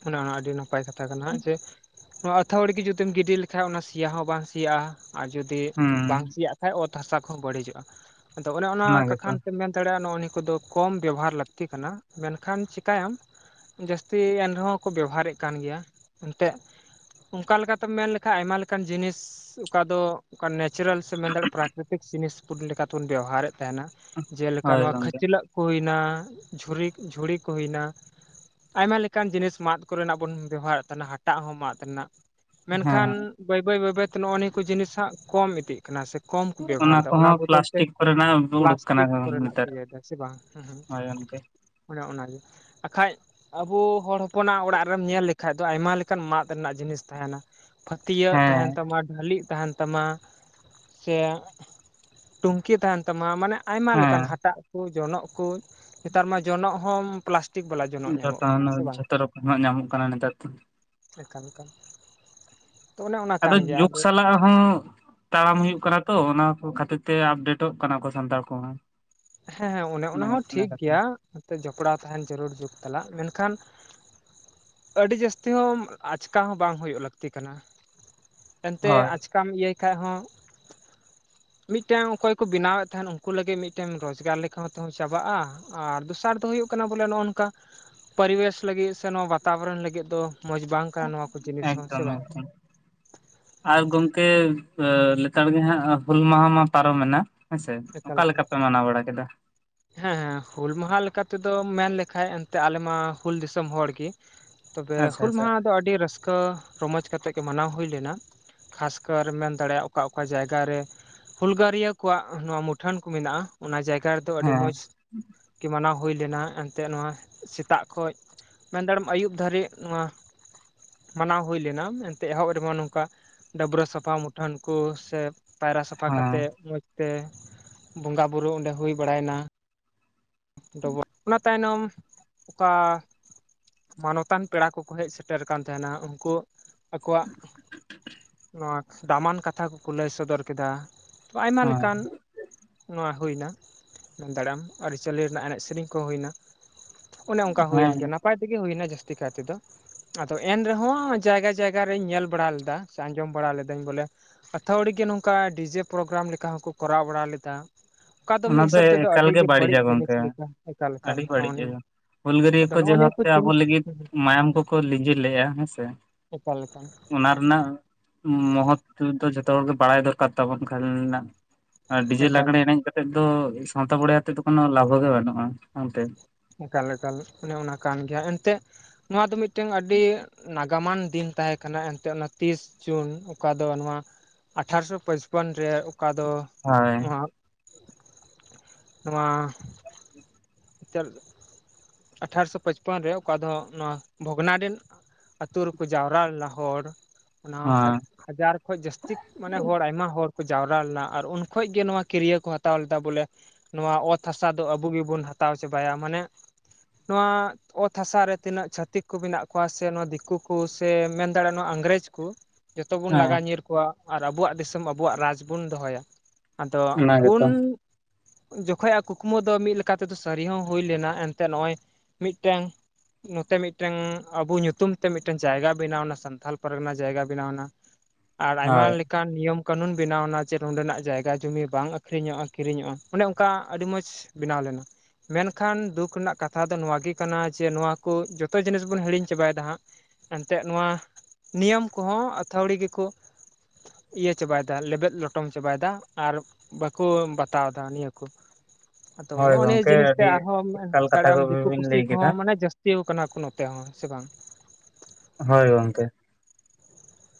ᱚᱱᱮ ᱚᱱᱟ ᱟᱹᱰᱤ ᱱᱟᱯᱟᱭ ᱠᱟᱛᱷᱟ ᱠᱟᱱᱟ ᱡᱮ ᱱᱚᱣᱟ ᱟᱹᱛᱷᱲᱤ ᱜᱮ ᱡᱩᱫᱤᱢ ᱜᱤᱰᱤ ᱞᱮᱠᱟᱱᱡ ᱚᱱᱟ ᱥᱮᱤᱭᱟ ᱦᱚᱸ ᱵᱟᱝ ᱥᱮᱭᱟᱜᱼᱟ ᱟᱨ ᱡᱩᱫᱤ ᱵᱟᱝ ᱦᱩᱸ ᱥᱮᱭᱟᱜ ᱠᱷᱟᱡ ᱚᱛ ᱦᱟᱥᱟ ᱠᱚᱦᱚᱸ ᱵᱟᱹᱲᱤᱡᱚᱜᱼᱟ ᱟᱫᱚ ᱚᱱᱮ ᱚᱱᱟ ᱠᱟᱛᱷᱟ ᱛᱮᱢ ᱢᱮᱱ ᱫᱟᱲᱮᱭᱟᱜᱼᱟ ᱱᱚᱜ ᱱᱤᱭᱟᱹ ᱠᱚᱫᱚ ᱠᱚᱢ ᱵᱮᱵᱚᱦᱟᱨ ᱞᱟᱹᱠᱛᱤ ᱠᱟᱱᱟ ᱢᱮᱱᱠᱷᱟᱱ ᱪ ᱛᱟᱭᱚᱢ ᱡᱟᱹᱥᱛᱤ ᱮᱱ ᱨᱮᱦᱚᱸ ᱠᱚ ᱵᱮᱵᱦᱟᱨᱮᱫ ᱠᱟᱱ ᱜᱮᱭᱟ ᱮᱱᱛᱮᱜ᱾ ᱚᱱᱠᱟ ᱞᱮᱠᱟᱛᱮᱢ ᱢᱮᱱ ᱞᱮᱠᱷᱟᱡ ᱟᱭᱢᱟ ᱞᱮᱠᱟᱱ ᱡᱤᱱᱤᱥ ᱚᱠᱟ ᱫᱚ ᱚᱱᱠᱟ ᱱᱮᱪᱟᱨᱮᱞ ᱥᱮ ᱢᱮᱱ ᱫᱟᱲᱭᱟᱜᱼᱟ ᱯᱨᱟᱠᱨᱤᱛᱤᱠ [unintelligible] ᱡᱤᱱᱤᱥ ᱵᱚᱱ ᱞᱮᱠᱟ ᱞᱮᱠᱟᱛᱮᱵᱚᱱ ᱵᱮᱣᱦᱟᱨᱮᱫ ᱛᱟᱦᱮᱱᱟ᱾ ᱡᱮᱞᱮᱠᱟ ᱦᱳᱭ ᱱᱚᱣᱟ ᱜᱚᱝᱠᱮ ᱠᱷᱟᱹᱪᱞᱟᱹᱜ ᱠᱚ ᱦᱩᱭᱱᱟ ᱡᱷᱩᱨᱤ ᱡᱷᱩᱲᱤ ᱠᱚ ᱦᱩᱭᱱᱟ᱾ ᱟᱭᱢᱟ ᱞᱮᱠᱟᱱ ᱡᱤᱱᱤᱥ ᱢᱟᱫ ᱠᱚᱨᱮᱱᱟᱜ ᱵᱚᱱ ᱵᱮᱵᱦᱟᱨᱮᱫ ᱛᱟᱦᱮᱱᱟ ᱦᱟᱴᱟᱜ ᱦᱚᱸ ᱢᱟᱫ ᱨᱮᱱᱟᱜ, ᱢᱮᱱᱠᱷᱟᱱ ᱦᱮᱸ ᱵᱟᱹᱭ ᱵᱟᱹᱭ ᱵᱟᱹᱭ ᱵᱟᱹᱭᱛᱮ ᱱᱚᱜᱼᱚᱭ ᱱᱤᱭᱟᱹᱠᱩ ᱡᱤᱱᱤᱥ ᱦᱟᱸᱜ ᱠᱚᱢ ᱤᱫᱤᱜ ᱠᱟᱱᱟ ᱥᱮ᱾ ᱠᱚᱢ ᱠᱚ ᱵᱮᱵᱚᱦᱟᱨ ᱮᱫᱟ, ᱚᱱᱟ ᱠᱚᱦᱚᱸ ᱵᱚᱫᱚᱞ ᱛᱮ ᱯᱞᱟᱥᱴᱤᱠ ᱠᱚᱨᱮᱱᱟᱜ ᱩᱰᱩᱠ ᱠᱟᱱᱟ ᱯᱞᱟᱥᱴᱤᱠ ᱠᱚᱨᱮᱱᱟᱜ ᱠᱚ ᱱᱮᱛᱟᱨ ᱤᱭᱟᱹᱮᱫᱟ ᱥᱮ ᱵᱟᱝ ᱦᱳᱭ ᱚᱱᱠᱮ ᱚᱱᱮ ᱚᱱᱟᱜᱮ ᱾ ᱵᱟᱠᱷᱟᱡ ᱟᱵᱚ ᱦᱚᱲ ᱦᱚᱯᱚᱱᱟᱜ ᱚᱲᱟᱜ ᱨᱮᱢ ᱧᱮᱞ ᱞᱮᱠᱷᱟᱡ ᱫᱚ ᱟᱭᱢᱟ ᱞᱮᱠᱟᱱ ᱢᱟᱫ ᱨᱮᱱᱟᱜ ᱡᱤᱱᱤᱥ ᱛᱟᱦᱮᱱᱟ ᱾ ᱯᱷᱟᱹᱛᱭᱟᱹᱜ ᱦᱮᱸ ᱛᱟᱦᱮᱱ ᱛᱟᱢᱟ, ᱰᱷᱟᱹᱞᱤᱜ ᱛᱟᱦᱮᱱ ᱛᱟᱢᱟ ᱥᱮ ᱴᱩᱝᱠᱤ ᱛᱟᱦᱮᱱ ᱛᱟᱢᱟ ᱢᱟᱱᱮ ᱟᱭᱢᱟ ᱦᱮᱸ ᱞᱮᱠᱟᱱ ᱦᱟᱴᱟᱜ ᱠᱚ ᱡᱚᱱᱚᱜ ᱠᱚ, ᱱᱮᱛᱟᱨ ᱢᱟ ᱡᱚᱱᱚᱜ ᱦᱚᱸ ᱯᱞᱟᱥ ᱡᱚᱛᱚᱱᱟᱜ ᱡᱷᱚᱛᱚ ᱨᱚᱠᱚᱢᱟᱜ ᱧᱟᱢᱚᱜ ᱠᱟᱱᱟ ᱱᱮᱛᱟᱨ ᱫᱤᱱ ᱾ ᱮᱠᱟᱞ ᱮᱠᱟᱞ ᱾ ᱟᱫᱚ ᱡᱩᱜᱽ ᱥᱟᱞᱟᱜ ᱦᱚᱸ ᱛᱟᱲᱟᱢ ᱦᱩᱭᱩᱜ ᱠᱟᱱᱟ ᱛᱚ, ᱚᱱᱟ ᱠᱚ ᱠᱷᱟᱹᱛᱤᱨ ᱛᱚ ᱟᱯᱰᱮᱴᱚᱜ ᱠᱟᱱᱟ ᱠᱚ ᱥᱟᱱᱛᱟᱲ ᱠᱚᱢᱟ ᱾ ᱦᱮᱸ ᱦᱮᱸ ᱚᱱᱮ ᱚᱱᱟᱦᱚᱸ ᱴᱷᱤᱠ ᱜᱮᱭᱟ, ᱟᱯᱮ ᱡᱚᱯᱲᱟᱣ ᱛᱟᱦᱮᱱ ᱡᱟᱹᱨᱩᱲ ᱡᱩᱜᱽ ᱛᱷᱟᱞᱟᱜ ᱾ ᱢᱮᱱᱠᱷᱟᱱ ᱟᱹᱰᱤ ᱡᱟᱹᱥᱛᱤ ᱦᱚᱸ ᱟᱪᱠᱟ ᱦᱚᱸ ᱵᱟᱝ ᱦᱩᱭᱩᱜ ᱞᱟᱹᱠᱛᱤ ᱠᱟᱱᱟ ᱾ ᱮᱱᱛᱮ ᱦᱳᱭ ᱟᱪᱠᱟ ᱠᱟᱢ ᱤᱭᱟᱹᱭ ᱠᱷᱟᱭ ᱦᱚᱸ ᱢᱤᱫᱴᱮᱱ ᱚᱠᱚᱭ ᱠᱚ ᱵᱮᱱᱟᱣᱮᱫ ᱛᱟᱦᱮᱱ ᱩᱱᱠᱩ ᱞᱟᱹᱜᱤᱫ ᱢᱤᱫᱴᱮᱱ ᱴᱮᱱ ᱨᱚᱡᱽᱜᱟᱨ ᱞᱮᱠᱟ ᱦᱚ ᱛᱮᱦᱚᱸ ᱪᱟᱵᱟᱜᱼᱟ, ᱟᱨ ᱫᱚᱥᱟᱨ ᱫᱚ ᱦᱩᱭᱩᱜ ᱠᱟᱱᱟ ᱵᱚᱞᱮ ᱱᱚᱜᱼᱚ ᱱᱚᱝᱠᱟ ᱯᱚᱨᱤᱵᱮᱥ ᱞᱟᱹᱜᱤᱫ ᱥᱮ ᱱᱚᱣᱟ ᱵᱟᱛᱟᱵᱚᱨᱚᱱ ᱞᱟᱹᱜᱤᱫ ᱫᱚ ᱢᱚᱡᱽ ᱵᱟᱝ ᱠᱟᱱᱟ ᱱᱚᱣᱟ ᱠᱚ ᱡᱤᱱᱤᱥ ᱦᱚᱸ ᱥᱮ ᱮᱠᱫᱚᱢ ᱵᱟᱝ? ᱮᱠᱫᱚᱢ ᱟᱨ ᱜᱚᱝᱠᱮ ᱞᱮᱛᱟᱲ ᱜᱮ ᱦᱟᱸᱜ ᱦᱩᱞ ᱢᱟᱦᱟ ᱢᱟ ᱯᱟᱨᱚᱢᱮᱱᱟ ᱾ ᱦᱮᱸᱥᱮ ᱮᱠᱟᱞ ᱚᱠᱟ ᱞᱮᱠᱟ ᱯᱮ ᱢᱟᱱᱟᱣ ᱵᱟᱲᱟ ᱠᱮᱫᱟ? ᱦᱮᱸ ᱦᱮᱸ, ᱦᱩᱞ ᱢᱟᱦᱟ ᱞᱮᱠᱟ ᱛᱮᱫᱚᱢ ᱢᱮᱱ ᱞᱮᱠᱷᱟᱡ ᱮᱱᱛᱮ ᱟᱞᱮ ᱢᱟ ᱦᱩᱞ ᱫᱤᱥᱚᱢ ᱦᱚᱲ ᱜᱤ ᱾ ᱛᱚᱵᱮ ᱟᱪᱪᱷᱟ ᱦᱩᱞ ᱟᱪᱪᱷᱟ ᱢᱟᱦᱟ ᱫᱚ, ᱟᱹᱰᱤ ᱨᱟᱹᱥᱠᱟᱹ ᱨᱚᱢᱚᱡ ᱠᱟᱛᱮᱜ ᱜᱮ ᱢᱟᱱᱟᱣ ᱦᱩᱭ ᱞᱮᱱᱟ ᱾ ᱠᱷᱟᱥᱠᱟᱨ ᱢᱮᱱ ᱫᱟᱲᱮᱭᱟᱜᱼᱟ, ᱚᱠᱟ ᱚᱠᱟ ᱡᱟᱭᱜᱟ ᱨᱮ ᱦᱩᱞᱜᱟᱹᱨᱤᱭᱟᱹ ᱠᱚᱣᱟᱜ ᱱᱚᱣᱟ ᱢᱩᱴᱷᱟᱹᱱ ᱠᱚ ᱢᱮᱱᱟᱜᱼᱟ, ᱚᱱᱟ ᱡᱟᱭᱜᱟ ᱨᱮᱫᱚ ᱟᱹᱰᱤ ᱦᱮᱸ ᱢᱚᱡᱽ ᱠᱤ ᱢᱟᱱᱟᱣ ᱦᱩᱭ ᱞᱮᱱᱟ ᱮᱱᱛᱮᱫ ᱱᱚᱣᱟ ᱥᱮᱛᱟᱜ ᱠᱷᱚᱡ ᱢᱮᱱ ᱫᱟᱲᱮᱜ-ᱟᱢ ᱟᱹᱭᱩᱵ ᱫᱷᱟᱹᱨᱤᱡ ᱱᱚᱣᱟ ᱢᱟᱱᱟᱣ ᱦᱩᱭ ᱞᱮᱱᱟ ᱮᱱᱛᱮ ᱮᱦᱚᱵ ᱨᱮᱢᱟ ᱱᱚᱝᱠᱟ ᱰᱟᱹᱵᱽᱨᱟᱹ ᱥᱟᱯᱷᱟ ᱢᱩᱴᱷᱟᱹᱱ ᱠᱚ ᱥᱮ ᱯᱟᱭᱨᱟ ᱥᱟᱯᱷᱟ ᱦᱮᱸ ᱠᱟᱛᱮᱜ ᱢᱚᱸᱡᱽᱛᱮ ᱵᱚᱸᱜᱟ ᱵᱩᱨᱩ ᱚᱸᱰᱮ ᱦᱩᱭ ᱵᱟᱲᱟᱭᱱᱟ ᱾ ᱰᱚᱵᱚᱜ, ᱚᱱᱟ ᱛᱟᱭᱱᱚᱢ ᱚᱠᱟ ᱢᱟᱱᱚᱛᱟᱱ ᱯᱮᱲᱟ ᱠᱚᱠᱚ ᱦᱮᱡ ᱥᱮᱴᱮᱨ ᱟᱠᱟᱱ ᱛᱟᱦᱮᱱᱟ, ᱟᱫᱚ ᱩᱱᱠᱩ ᱟᱠᱚᱣᱟᱜ ᱱᱚᱣᱟ ᱫᱟᱢᱟᱱ ᱠᱟᱛᱷᱟ ᱠᱚᱠᱚ ᱞᱟᱹᱭ ᱥᱚᱫᱚᱨ ᱠᱮᱫᱟ ᱾ ᱛᱚ ᱟᱭᱢᱟ ᱦᱮᱸ ᱞᱮᱠᱟᱱ, ᱱᱚᱣᱟ ᱦᱩᱭᱱᱟ ᱢᱮᱱ ᱫᱟᱬᱮ ᱟᱢ ᱟᱨ ᱪᱟᱹᱞᱤ ᱨᱮᱱᱟᱜ ᱮᱱᱮᱡ ᱥᱮᱨᱮᱧ ᱠᱚ ᱦᱩᱭᱱᱟ ᱾ ᱚᱱᱮ ᱚᱱᱠᱟ ᱦᱩᱭᱮᱱ ᱦᱮᱸ ᱜᱮᱭᱟ ᱱᱟᱯᱟᱭ ᱛᱮᱜᱮ ᱦᱩᱭᱱᱟ ᱡᱟᱹᱥᱛᱤ ᱠᱟᱭ ᱛᱮᱫᱚ ᱾ ᱟᱫᱚ ᱮᱱᱨᱮᱦᱚᱸ ᱡᱟᱭᱜᱟ ᱡᱟᱭᱜᱟ ᱨᱮᱧ ᱧᱮᱞ ᱵᱟᱲᱟ ᱞᱮᱫᱟ, ᱥᱮ ᱟᱸᱡᱚᱢ ᱵᱟᱲᱟ ᱞᱮᱫᱟᱹᱧ ᱵᱚᱞᱮ ᱟᱹᱛᱷᱟᱹᱣᱲᱤ ᱜᱮ ᱱᱚᱝᱠᱟ ᱰᱤᱡᱮ ᱯᱨᱳᱜᱨᱟᱢ ᱞᱮᱠᱟ ᱦᱚᱸᱠᱚ ᱠᱚᱨᱟᱣ ᱵᱟᱲᱟ ᱞᱮᱫᱟ ᱾ ᱚᱠᱟ ᱫᱚ ᱢᱤᱫ ᱚᱱᱟ ᱦᱤᱥᱟᱹᱵ ᱛᱮᱫᱚ ᱮᱠᱟᱞ ᱟᱹᱰᱤ ᱜᱮ ᱵᱟᱹᱲᱤᱡ ᱵᱟᱹᱲᱤᱡᱟ ᱡᱤᱱᱤᱥ ᱜᱚᱝᱠᱮ ᱞᱮᱠᱟ ᱮᱠᱟᱞ ᱮᱠᱟᱞ ᱟᱹᱰᱤ ᱱᱚᱜᱼᱚ ᱵᱟᱹᱲᱤᱡᱟ ᱱᱤᱭᱟᱹ ᱾ ᱦᱩᱞᱜᱟᱹᱨᱭᱟᱹ ᱠᱚ ᱡᱮ ᱵᱷᱟᱵ ᱛᱮ ᱟᱵᱚ ᱞᱟᱹᱜᱤᱫ ᱢᱟᱭᱟᱢ ᱠᱚᱠᱚ ᱞᱤᱸᱡᱤ ᱞᱮᱜᱼᱟ ᱦᱮᱸᱥᱮ ᱾ ᱮᱠᱟᱞ ᱮᱠᱟᱞ ᱾ ᱚᱱᱟ ᱨᱮᱱᱟᱜ ᱢᱚᱦᱚᱛᱛᱚ ᱫᱚ ᱡᱚᱛᱚ ᱦᱚᱲ ᱜᱮ ᱵᱟᱲᱟᱭ ᱫᱚᱨᱠᱟᱨ ᱛᱟᱵᱚᱱ ᱠᱷᱟᱱ ᱱᱟᱜ ᱟᱨ ᱰᱤᱡᱮ ᱮᱠᱟᱞ ᱞᱟᱜᱬᱮ ᱮᱱᱮᱡ ᱠᱟᱛᱮᱜ ᱫᱚ ᱥᱟᱶᱛᱟ ᱵᱚᱲᱮ ᱟᱛᱮᱫ ᱫᱚ ᱠᱳᱱᱳ ᱞᱟᱵᱷᱚ ᱜᱮ ᱵᱟᱹᱱᱩᱜᱼᱟ ᱚᱱᱛᱮ ᱾ ᱮᱠᱟᱞ ᱮᱠᱟᱞ ᱚᱱᱮ ᱚᱱᱟ ᱠᱟᱱ ᱜᱮᱭᱟ, ᱮᱱᱛᱮᱫ ᱱᱚᱣᱟ ᱫᱚ ᱢᱤᱫᱴᱮᱱ ᱟᱹᱰᱤ ᱱᱟᱜ ᱜᱟᱢᱟᱱ ᱫᱤᱱ ᱛᱟᱦᱮᱸ ᱠᱟᱱᱟ ᱮᱱᱛᱮᱫ, ᱾ ᱚᱱᱟ ᱛᱤᱥ ᱡᱩᱱ ᱚᱠᱟ ᱫᱚ ᱱᱚᱣᱟ ᱟᱴᱷᱟᱨᱚᱥᱚ ᱯᱟᱪᱯᱚᱱ ᱨᱮ ᱚᱠᱟ ᱫᱚ ᱦᱳᱭ ᱱᱚᱣᱟ, ᱱᱚᱣᱟ [unintelligible] ᱟᱴᱷᱟᱨᱚᱥᱚ ᱯᱟᱪᱯᱚᱱ ᱨᱮ ᱚᱠᱟ ᱫᱚ ᱦᱚᱜ ᱱᱚᱣᱟ ᱵᱷᱚᱜᱽᱱᱟᱰᱤᱱ ᱟᱹᱛᱩ ᱨᱮᱠᱚ ᱡᱟᱣᱨᱟ ᱞᱮᱱᱟ ᱦᱚᱲ, ᱚᱱᱟ ᱦᱟᱡ ᱦᱳᱭ ᱦᱟᱡᱟᱨ ᱠᱷᱚᱡ ᱡᱟᱹᱥᱛᱤ ᱢᱟᱱᱮ ᱦᱚᱲ ᱟᱭᱢᱟ ᱦᱚᱲ ᱠᱚ ᱡᱟᱣᱨᱟ ᱞᱮᱱᱟ, ᱟᱨ ᱩᱱ ᱠᱷᱚᱡ ᱜᱮ ᱱᱚᱣᱟ ᱠᱤᱨᱭᱟᱹ ᱠᱚ ᱦᱟᱛᱟᱣ ᱞᱮᱫᱟ ᱵᱚᱞᱮ ᱱᱚᱣᱟ ᱚᱛ ᱦᱟᱥᱟ ᱫᱚ ᱟᱵᱚ ᱜᱮᱵᱩᱱ ᱦᱟᱛᱟᱣ ᱪᱟᱵᱟᱭᱟ᱾ ᱢᱟᱱᱮ ᱱᱚᱣᱟ ᱚᱛ ᱦᱟᱥᱟ ᱨᱮ ᱛᱤᱱᱟᱹᱜ ᱪᱷᱟᱹᱛᱤᱠ ᱠᱚ ᱢᱮᱱᱟᱜ ᱠᱚᱣᱟ ᱥᱮ, ᱱᱚᱣᱟ ᱫᱤᱠᱩ ᱠᱚ ᱥᱮ, ᱢᱮᱱ ᱫᱟᱲᱮᱭᱟᱜᱼᱟ ᱱᱚᱣᱟ ᱤᱝᱨᱮᱡᱽ ᱠᱚ᱾ ᱡᱚᱛᱚ ᱵᱩᱱ ᱦᱮᱸ ᱞᱟᱜᱟ ᱧᱤᱨ ᱠᱚᱣᱟ, ᱟᱨ ᱟᱵᱚᱣᱟᱜ ᱫᱤᱥᱚᱢ ᱟᱵᱚᱣᱟᱜ ᱨᱟᱡᱽ ᱵᱚᱱ ᱫᱚᱦᱚᱭᱟ᱾ ᱟᱫᱚ ᱚᱱᱟ ᱩᱱ ᱜᱮᱛᱚ ᱡᱚᱠᱷ ᱟᱡᱟᱜ ᱠᱩᱠᱢᱩ ᱫᱚ ᱢᱤᱫ ᱞᱮᱠᱟ ᱱᱤᱛᱚᱜ ᱫᱚ ᱥᱟᱹᱨᱤᱭᱟᱜ ᱦᱚᱸ ᱦᱩᱭ ᱞᱮᱱᱟ, ᱮᱱᱛᱮᱫ ᱱᱚᱜᱼᱭ ᱢᱤᱫᱴᱮᱱ ᱱᱚᱛᱮ ᱢᱤᱫ ᱴᱟᱝ ᱟᱵᱩ ᱧᱩᱛᱩᱢ ᱛᱮ ᱢᱤᱫᱴᱮᱱ ᱡᱟᱭᱜᱟ ᱵᱮᱱᱟᱣᱱᱟ, ᱥᱟᱱᱛᱷᱟᱞ ᱯᱟᱨᱜᱟᱱᱟ ᱡᱟᱭᱜᱟ ᱵᱮᱱᱟᱣ ᱱᱟ᱾ ᱟᱨ ᱟᱭᱢᱟ ᱦᱳᱭ ᱞᱮᱠᱟᱼᱼ ᱚᱱᱠᱟᱱ ᱱᱤᱭᱚᱢ ᱠᱟᱹᱱᱩᱱ ᱵᱮᱱᱟᱣ ᱱᱟ ᱡᱮ᱾ ᱱᱚᱸᱰᱮᱱᱟᱜ ᱡᱟᱭᱜᱟ ᱡᱩᱢᱤ ᱵᱟᱝ ᱟᱹᱠᱷᱨᱤᱧᱚᱜᱼᱟ, ᱠᱤᱨᱤᱧᱚᱜᱼᱟ ᱚᱱᱮ ᱚᱱᱠᱟ ᱟᱹᱰᱤ ᱢᱚᱸᱡᱽ ᱵᱮᱱᱟᱣ ᱞᱮᱱᱟ᱾ ᱢᱮᱱ ᱠᱷᱟᱱ ᱫᱩᱠ ᱨᱮᱱᱟᱜ ᱠᱟᱛᱷᱟ ᱫᱚ ᱱᱚᱣᱟᱜ ᱜᱮ ᱠᱟᱱᱟ, ᱡᱮ ᱱᱚᱣᱟ ᱠᱚ ᱡᱚᱛᱚ ᱡᱤᱱᱤᱥ ᱵᱚᱱ ᱦᱤᱲᱤᱧ ᱪᱟᱵᱟᱭ ᱫᱟ ᱦᱟᱸᱜ᱾ ᱮᱱᱛᱮᱫ ᱱᱚᱣᱟ ᱱᱤᱭᱚᱢ ᱠᱚᱦᱚᱸ ᱟᱹᱛᱷᱣᱲᱤ ᱜᱮᱠᱚ ᱤᱭᱟᱹ ᱪᱟᱵᱟᱭᱫᱟ ᱞᱮᱵᱮᱫ ᱞᱚᱴᱚᱢ ᱪᱟᱵᱟᱭᱫᱟ ᱟᱨ ᱵᱟᱠᱚ ᱵᱟᱛᱟᱣ ᱮᱫᱟ ᱱᱤᱭᱟᱹᱠᱩ ᱟᱫᱚ ᱦᱳᱭ ᱱᱚᱜᱼᱚᱭ ᱱᱤᱭᱟᱹ ᱜᱚᱝᱠᱮ ᱡᱤᱱᱤᱥ ᱛᱮ ᱟᱹᱰᱤ ᱟᱨᱦᱚᱸᱢ ᱮᱠᱟᱞ ᱠᱟᱛᱷᱟ ᱫᱟᱲᱮᱟᱢ ᱫᱤᱠᱩ ᱠᱚᱵᱤᱱ ᱯᱩᱥᱤ ᱞᱟᱹᱭ ᱠᱮᱫᱟ ᱠᱚᱦᱚᱸ ᱢᱟᱱᱮ ᱡᱟᱹᱥᱛᱤᱣ ᱠᱟᱱᱟ ᱠᱚ ᱱᱚᱛᱮ ᱦᱚᱸ ᱥᱮ ᱵᱟᱝ, ᱦᱳᱭ ᱜᱚᱢᱠᱮ᱾